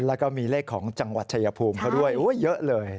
แล้วก็มีเลขของจังหวัดชายภูมิเขาด้วยเยอะเลย